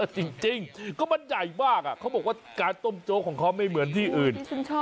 จริงก็มันใหญ่มากเขาบอกว่าการต้มโจ๊กของเขาไม่เหมือนที่อื่น